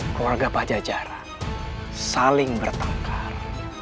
keluarga pajajaran saling bertengkar